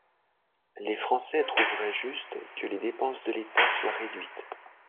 Les Français trouveraient juste que les dépenses de l’État soient réduites.